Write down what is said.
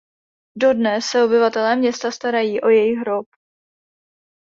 Dodnes se obyvatelé města starají o jejich hrob.